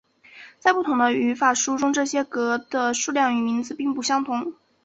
在不同的语法书中这些格的数量与名字并不相同。